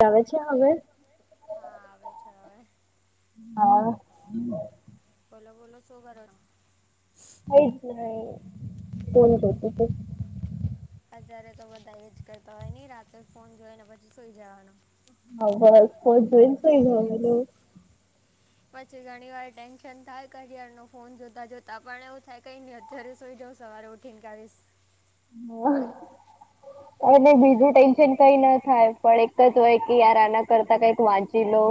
આવે છે હવે? હા. બોલો બોલો સુ કરે છે? કઈ જ નહી, ફન કરતો. અત્યારે તો બધા એજ કરતા હોય નહ રાતે જ ફોન જોઈ ને પછી સુઈ જવાનો. હ બસ કો જોઈલું. પછી ઘણી વાર ટેન્શન થાય કરિયર નો ફોન જોતા જોતા પણ એવું થાય કઈ નહતું. જ્યારે સોઈ જાવ સવારે ઉઠીને કે આવીશ. [unintelligible] અને બીજું ટેન્શન કઈ ના થાય પણ એક જ હોય કે યાર આના કરતા કઈક વાંચી લોઉ.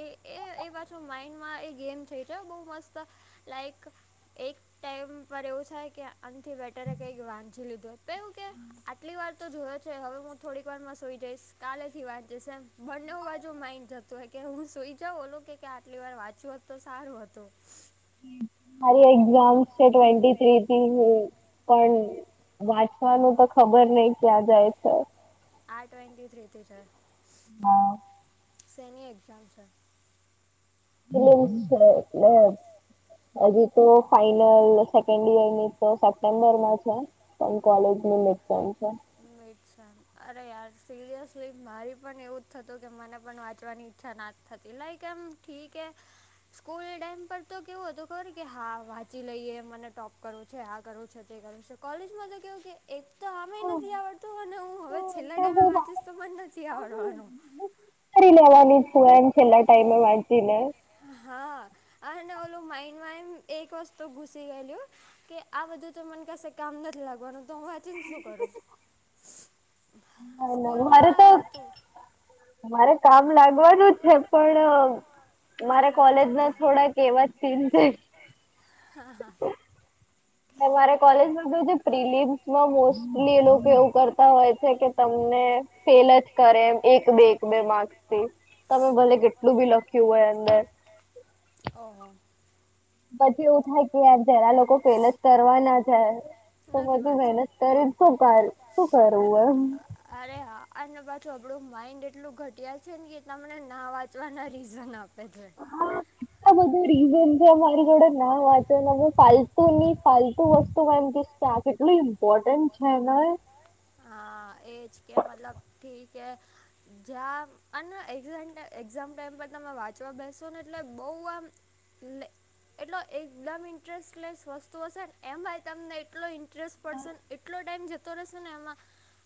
એ એ એ પાછું માઇન્ડમાં એ ગેમ થઈ છે બહુ મસ્ત, લાઈક એક ટાઈમ પર એવું થાય કે આમથી બેટરે કંઈક વાચી લીધું તો એવું કે. આટલી વાર તો જોયો છે હવે હું થોડીક વાર માં સઈ જઈશ કાલે થી વાત જશે એમ. બંને બાજુ માઇન્ડ જતો હો. કે હું સુઈ જાઉં ઓલું કે આટલી વાર વાંચવા તો સારું હતું. મારી એક્ઝામ્ છે ટ્વેટી થ્રી હું પણ વાંચવાનું તો ખબર નઈ ત્યાં જાય છે. આ ટ્વેન્ટી થ્રી થી છે. સેની એક્ઝામસર? બલમ છે હજી તો ફાઈનલ સેકન્ડ યર ની. તો સપ્ટેમ્બર માં છે, પણ કોલેજ નીક્ઝામ છે. અચ્છા. અરે યાર સિરિયસલી મારી પણ એવું જ થતું કે મને પણ વાંચવાની ઈચ્છા ના થતી લાઈક એમ ઠીકે સ્કૂલ ટાઇમ પર તો કેવું હતું ખબર કે હા વાંચી લઈએ મને ટોપ કરવું પૂછે આ કરવું છે તે કરવું છે કોલેજમાં તો કેવું એક તો આમેય નથ ને હું હવે છેલ્લા ટાઈમે વાંચીશ તો મને નથી આવડવાનું. કરી લેવાની છું એમ છેલ્લા ટાઈમે વાંચીને. હા અને ઓલું માઈનમાં એમ એક વસ્તુ ઘુસી ગયેલું. કે આ બધું તો મને કસે કામ નથી લાગવાનું તો હું વાંચીને શું કરું. નવું નવું હે મારે તો મારે કામ લાગવાનું છે પણ મારે કોલેજ ના થોડાક એવા જ સીન છે. હા-હા. ને મારે કોલેજમાં છે પ્રિલીમસમાં મોસ્ટલી એ લોકો એવું કરતા હોય છે કે તમને ફેલ જ કરે એમ એક બે એક બે માર્ક્સથી તમે ભલે કેટલું બી લખ્યું હોય અંદર. ઓહ હો. પછી એવું થાય કે યાર જયારે આ લોકો ફેલજ કરવાના છે. તો પછી મહેનત કરીને શું ફા કર શું કરૂ એમ. અરે હા આને પાછું આપડું માઈન્ડ એટલું ઘટિયા છે ને કે તમને ના વાંચવાના રીઝન આપ આપે છે. આ બધું રીઝન છે અમારી જોડે ના વાંચવાના અમે ફાલતુની ફાલતુ વસ્તુમ ત્યાં કેટલું ઇમ્પોર્ટન્ટ છેને હા એજ કે મતલબ ઠીક છે જા. અન એ એક્ઝામ ટાઈમ પર તમે વાંચવા બેસો ને એટલે બહુ આમ એટલો એકદમ ઇન્ટરેસ્ટ લસ વસ્તુ હશે ને એમાંય તમને એટલો ઇન્ટરેસ્ટ પડશેન એટલો ટાઈમ જતો રહેશે ને એમાં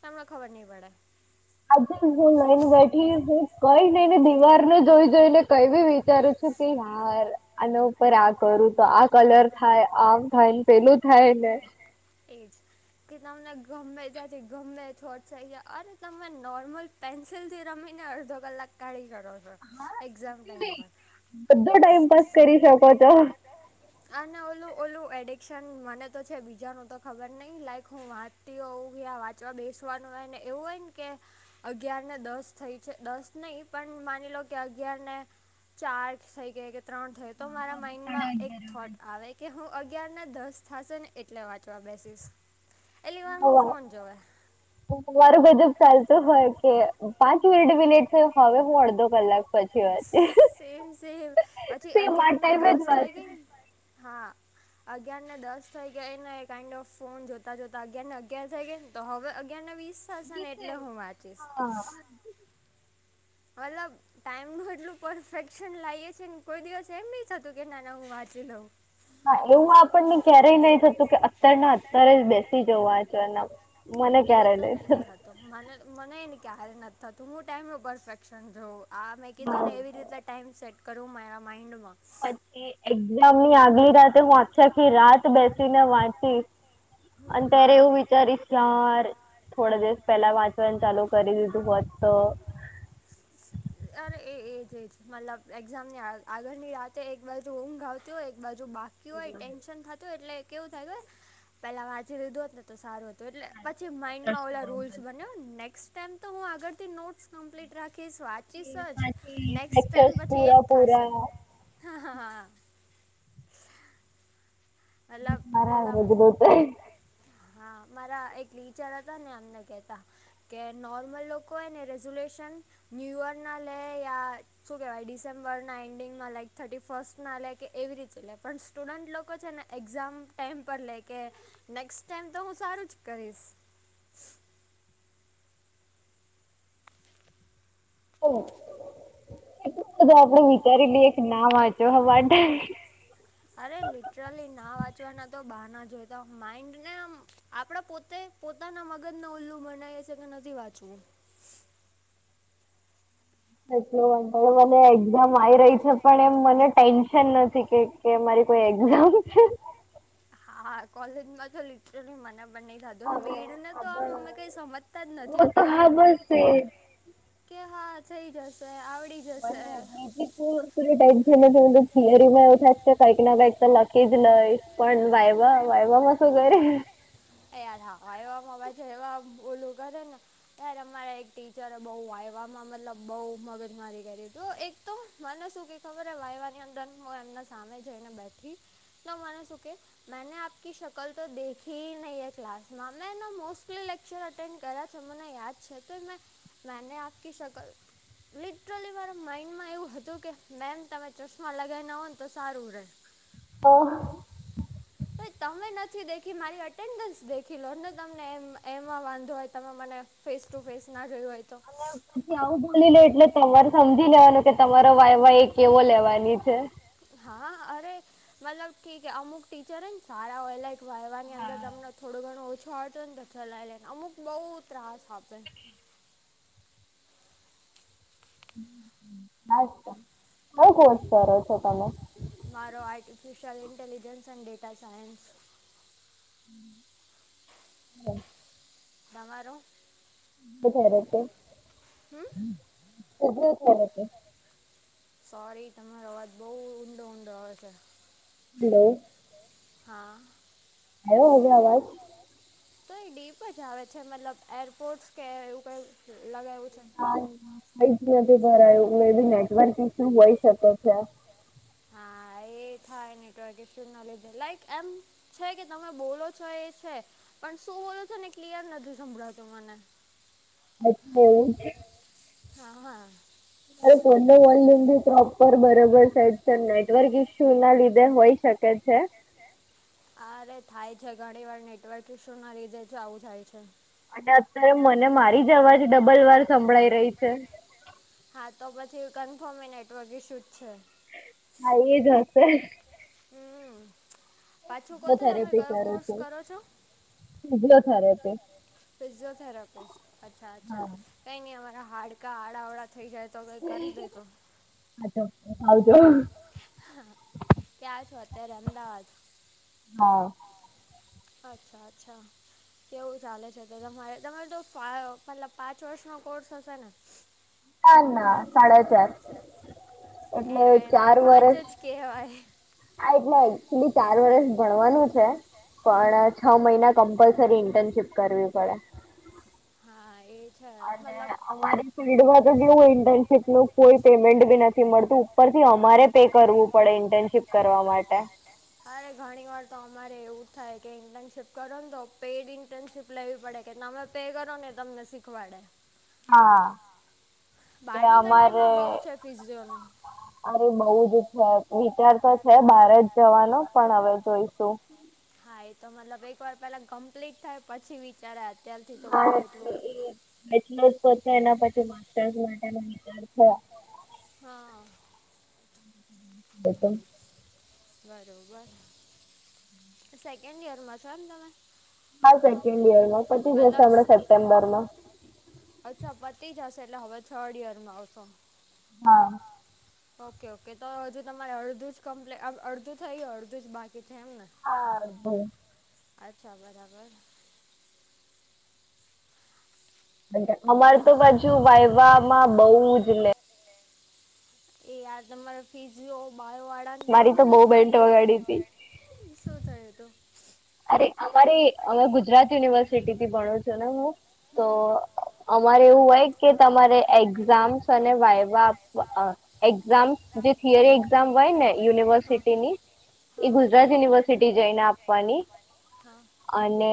તમને ખબર નહ પડે આજે હું લઈને બેઠી હું કઈ નઈને દિવાર ન જોઈ જોઈને કઈ બી વિચારું છું કે [unintelligible] આના ઉપર આ કરું તો આ કલર થાય આમ થાય ને પેલું થાય ને. એજ કે તમને ગમે ત્યાંથી ગમે છોટ થાય જાય અને તમને નોર્મલ પેન્સિલથી રમીને અડધો કલાક કાઢી કર છો એક્ઝામ ટાઈમ પર બધો ટાઈમ પાસ કરી શકો છો. અને ઓલું ઓલું એડિક્શન મને તો છે બીજાનું તો ખબર નહી લાઈક હું વાત ઓયાં વાંચવા બેસવાનું હોય ને એવું હોય ને કે અગિયાર ને દસ થઈ છે દસ નહીં પણ માની લો કે અગિયાર ને ચાર થઈ ગયા કે ત્રણ થઈ તો મારા માઈન્ડમાં એક થોટ આવે કે હું અગિયારના દસ થશે ને એટલે વાંચવા બેસીશ એલી વાર હું ફોન જોવે [unintelligible] રું બધું ચાલતું હોય કે પાંચ મિનિટ બી લેટ થયું હવે હું અડધો કલાક પછી [unintelligible] સેમ સેમ પછી અગિયાર ને દસ થઈ ગઈને હા અગિયાર ને દસ થઈ ગયાને એ કાઇન્ડ ઓફ ફોન જોતા જોતા અગિયાર ને અગિયાર થઈ ગયા ને તો હવે અગિયાર ને વીસ પસ એટલે હું વાંચીશ મતલબ [unintelligible] ટાઈમ ન એટલું પરફેક્શન લાવએે છે ને કોઈ દિવસ એમ નહી થતું કે ના ના હું વાંચી લઉં હા એવું આપણને ક્યારેય નહી થતું કે અતારના અત્યારે જ બેસી જવા છ એ. એવું તો નહી થતોું મને મને એ ન ક્યારે નથી થતું હું ટાઈમ પરફેક્શન જોઉું આ મેં કીધું ને એવી રીતેના ટાઈમ સેટ કરવું મારા માઈન્ડમાં પછી એક્ઝામ ની આગલી રાતે હું આખી આખી રાત બેસીને વાંચી અ ત્યારે એવું વિચારીશ કાર થોડા દિવસ પેલા વાંચવાનું ચાલુ કરી દીધું હોત તો અરે એ એજજ મતલબ એક્ઝામની આગળની રાતે એક બાજુ મઘ આવતી હોય એક બાજુ બા કેવુ હોય ટેન્શન થતું એટલે કેવું થાયુંય પહેલાં વાંચી લીધું હોત ને તો સારું હતું એટલે પછી માઇન્ડમાં ઓલા રૂલ્સ બન્યો નેક્સ્ટ ટાઈમ તો હું આગળથી નોટ્સ કમ્પ્લીટ રાખીશ ચી સજ નેકસ ટાઈમ પછી એજ થશે મતલબ ઓલા હા મારા એક ટીચર હતા ને અમને કેતા કે નોર્મલ લોકો એને રેઝુલેશન ન્યૂ યર ના લે યા શું કેહેવાય ડિસેમ્બર ના એન્ડિંગમાં લાઈક થર્ટી ફર્સ્ટ ના લે કે એવી રીતે લે પણ સ્ટુડન્ટ લોકો છે ને એક્ઝામ ટાઈમ પર લે કે નેક્સ્ટ ટાઈમ તો હું સારું જ કરીશ એટલું બધું આપડે વિચારી લઈ એક ના વાંચવા માટે અરે લિટરલી ના વાંચવાના તો બહાર ના જોયતા માઈન્ડ ને આમ આપણા પોતે પોતાના મગજ ન ઉલ્લું મનાવી છે કે નથી વાંચવું મને એક્ઝામ આવી રહી છે પણ એમ મને ટેન્શન નથી કે કે અમારી કોઈ એક્ઝામ છે. હા કોલેજમાં તો લિટરી મને પણ નહી દાદુ મીડને તો આ મમ્મે કઈ સમજતા જ નથી અત્યારે પણ કે હા થઈ જશે આવડી જ બને બીજી [unintelligible] થિયરી માં એવું થાય છે કંઈક ના કંઈક તો લખ જ લઈ પણ વાયવા વાયવા માં શું કરે એ યાર હા વાયવા માં એવા [unintelligible] એવા બોલું કરે ને ત્યારે અમારા એક ટીચરે બહુ વાયવામાં મતલબ બહુ મગજમારી કરી હતું એક તો મને શું કે ખબર હ વાયવા ની અંદર હ એમના સામે જઈને બેઠી મને શું કે મેને આપકી શકલ તો દેખી નહીં હે ક્લાસમાં મેન મોસ્ટલી લેક્ચર અટેન્ડ કર્યા છે મને યાદ છે મે મેને આપકી શકલ લિટરલી મારા માઈન્ડમાં એવું હતું કે મેમ તમે ચશ્મા લગાવ ના હો ને તો સારું રહે [inaudible] ઓહ તમે નથી દેખી મારી એટેન્ડન્સ દેખી લો ને તમને એમ એમાં વાંધો હોય તમે મને ફેસ ટુ ફેસ ના જોયું હોય તો પછી આવું બોલી લે એટલે તમારે સમજી લેવાનું કે તમારો વાય વા એ કેવો લેવાની છે. હા અરે મતલબ ઠીક અમુક ટીચરને સારા હોય લાઈક વાયવાની અંદર થોડો ઘણો ઓછો આવડતું હોયને તો ચલા લને અમુક બહુ ત્રાસ આપે. [unintelligible] હું કોર્સ કરો છો તમે મારો artificial intelligence and data science [inaudible] તમારો? [unintelligible] સોરી તમારો અવાજ બઉ ઊંડો ઊંડો આવે છે. હલો હા. આયો હવે અવાજ? તો એ ડીપ જ આવે છે મતલબ એરપોર્ટ કે એવું કઈ લગાયવુ હા કઈ જ નથી ભરાયું મેબી નેટવર્ક ઈશું હોય શકે છે. હા એ થાય નેટવર્ક ઈશું ના લીધે લાઈક એમ. છે કે તમે બોલો છો એ છે પણ શું બોલો છો ને ક્લિયર નથી સંભળાતું મને. અચ્છા એવું છે હા હા. અરે ફોન નો વોલ્યુમ ભી પ્રોપર બરોબર સેટ છે નેટવર્ક ઈસ્યુ ના લીધે હોય શકે છે. અરે થાય છે ઘણી વાર નેટવર્ક ઇસ્યુ ના લીધે છે આવું થાય છે. અને અત્યારે મને મારી જ અવાજ ડબલ વાર સંભળાઈ રહી છે. હા તો પછી કન્ફર્મ એ નેટવર્ક ઇસ્યુ જ છે. હા એ જ હશે. પાછું કોતો તમે કયો કોર્સ કરો છો? [unintelligible] ફિઝિયોથેરાપિસ્ટ અચ્છા અચ્છા કઈ નઈ અમારા હાડકા આડા અવળા થઈ જાય તો કંઈ કરી દે જો હા તો આવજો. હા. અચ્છા અચ્છા. કેવું ચાલે છે તો તમારે તમારે તો ફા મતલબ પાંચ વર્ષનો કોર્સ હશે ને. ના ના સાડા ચાર. એવે એને પાંચ જ કેહેવાય. આા એટલે એકચુલી ચાર વર્ષ ભણવાનું છે. પણ છ મહિના કમ્પલસરી ઇન્ટર્નશીપ કરવી પડે. હા એ અને અમારી ફિલ્ડમાં તો કેવું ઇન્ટનશીપ નું કોઈ પેમેન્ટ બી નથી મળતું. ઉપથી અમારે પે કરવું પડે ઇન્ટર્નશીપ કરવા માટે. અરે ઘણી વાર તો અમારે એવું થાય કે ઇન્ટર્નશીપ કરો ને તો પેઇડ ઇન્ટર્નશીપ લેવી પડે. કે તમે પે કરો ને તમને શીખવાડે. હા. બહારની કન્ટ્રીમાં બઉુ છે ફિઝઓનું. અરે બઉ જ છે વિચાર તો છે બાર જ જવાનો પણ હવે જોઈશું. હા એ તો મતલબ એક વાર પેલા કમ્પ્લીટ થાય પછી વિચાર્યા અત્યારથી તો બધું એટલું. બેચલસ થ એના પછી માસ્ટર્સ માટે વિચાર થયા. હા. બેટ. [unintelligible] બરોબર સેકન્ડ યરમાં છો ને તમે? હા સેકન્ડ ઈયર માં પી જશે આપણા સપ્ટેમ્બરમાં. અચ્છા પતી જશે એટલે હવે થર્ડ યર માં આવશો. હા. ઓકે ઓકે તો હજુ તમારે અડધું જ કમ્પ્લે અડધું થઈ ગય અડધું જ બાકી છે એમ ને. હા ભ. અચ્છા બરાબર. અમાર તો બાજુ વાહેવામાં બહુ જ ને. એ આ તમારે ફીઝઓ બાય વાળા ને બહુ મગજ મારી હોય, શું થયું હતું? અરે અમારે અમે ગુજરાત યુનિવર્સિટી થી ભણો છો ને હું. તો અમારે એવું હોય કે તમારે એક્ઝામ્સ અને વાયવા એક્ઝામ જે થિયરી એક્ઝામ હોય ને યુનિવર્સિટીની. એ ગુજરાત યુનિવર્સિટી જોઈને આપવાની. અને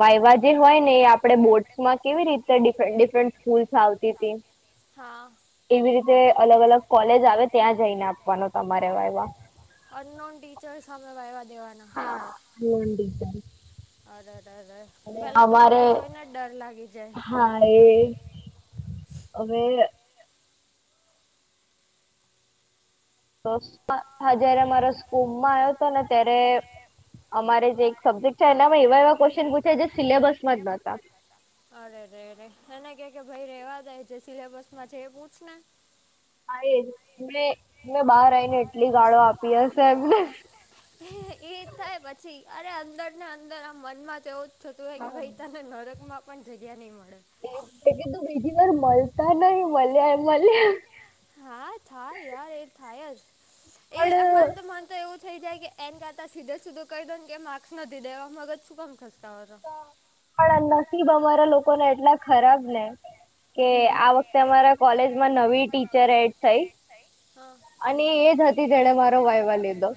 વાયવા જે હોય ને એ આપડે બોર્ટસમાં કેવી રીતે ડિફરન્ટ ડિફરન્ટ સ્કૂલ્સ આવતી હતી. હા. એવી રીતે અલગ અલગ કોલેજ આવે ત્યાં જઈને આપવાનો તમારે વાઈવા અનનોન ટીચર્સ સામે વાઈવા દેવાના હા, અનનોન ટીચર અરેરેર પેલા તો મોઢું જોઈને ડર લાગી જાય હા, એ હવે [unintelligible] હા, જયારે મારો સ્કૂલમાં આવ્યો તો ને ત્યારે અમારે જે એક સબ્જેક્ટ છે એનામાં એવા એવા ક્વેશ્ચન પૂછે જે સિલેબસમાં જ નતા અરે રે રરે એને કે કે ભાઈ રેવાદે જે સિલેબસમાં છે એ પૂછને હા, એજ મેં મેં બહાર આવીઈને એટલી ગાળો આપી હશે એમને એજ થાય પછી અરે અંદર ને અંદર આ મનમાં તોવ એવું થતું હોય કે ભાઈ તને નરકમાં પણ જગ્યા ની મળે મેં કીધું બીજી વાર મલતા નઈ મલિયા એ મલિયા હા, થાય યાર એ થાય જ, એ મન તો મન તો એવુંજ થઈ જાય કે એને કરતાં સીધે સીધું કહી દો ને કે માર્ક્સ નથી દેવા, મગજ શું કામ કસ્કવો છો પણ આ નસીબ અમારા લોકોના એટલા ખરાબ ને કે આ વખ તે અમારા કોલેજમાં નવી ટીચર એડ થઈ. થય હા. અને એ એ જ હતી જેને મારો ભાય બન્યો તો.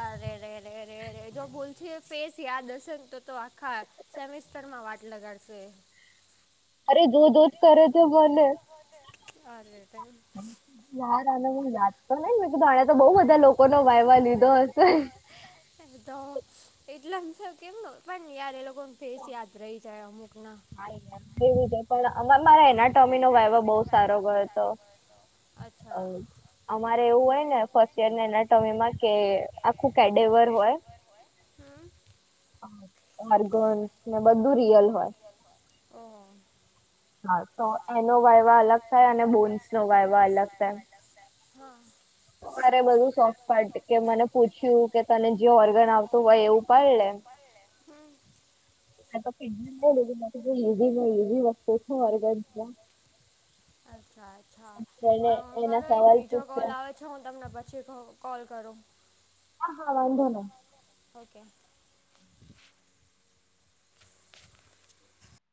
અરેરેરેરેરે જો ભૂલથી ફેસ યાદ હશે ને તો તો આખા સેમિસ્ટરમાં વાટ લગાડશે. અરે જે [unintelligible] યાર આને હું યાદ તો નઈ મે ક આણે તો બો બધા લોકો નો વાઈવા લીધો હશે. એતો એટલેમ કેમનું પણ યાર એ લોકોને ફેસ યાદ રહી જાય અમુકના હા યાર એવું છે પણ અ મારે એના ટોમીનો વાવ બહુ સારો ગયો હતો. અ. અમારે એવું હોય ને ફર્સ્ટ યર ને એનાટોમી માં કે આખું કેડેવર હોય. હર્ગન્સ ને બધું રિયલ હોય. હ. હા તો એનો વાવા અલગ થાય અને બોન્સ નો વાવા અલગ થાય. હા. મારે બધું સોડ કે મને પૂછ્યું કે તને જે ઓર્ગન આવતું હોય એવું પડ લે હમ. લ ઈ મે ઈઝી વસ્તુ. હો મારે ઘર. અચ્છા અચ્છા મારો એક બીજો કોલ આવે હું તમને પછી કોલ કરું. હા હા વાધો નહી. ઓકે.